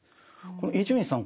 伊集院さん